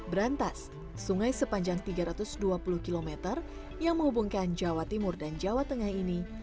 berantas sungai sepanjang tiga ratus dua puluh km yang menghubungkan jawa timur dan jawa tengah ini